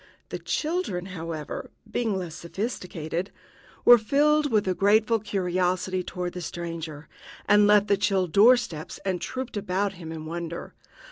The children, however, being less sophisticated, were filled with a grateful curiosity toward the stranger, and left the chill door steps and trooped about him in wonder.